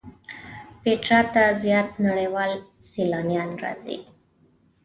پېټرا ته زیات نړیوال سیلانیان راځي.